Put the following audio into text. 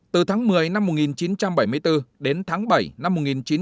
từ tháng một mươi năm một nghìn chín trăm bảy mươi bốn đến tháng bảy năm một nghìn chín trăm bảy mươi năm